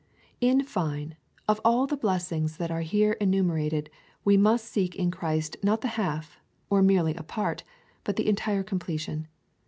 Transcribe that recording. In fine, of all the blessings that are here enumerated we must seek in Christ not the half, or merely a part, but the entire completion.